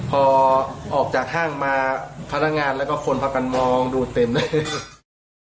พอออกจากห้างมาพนักงานแล้วก็คนพากันมองดูเต็มเลย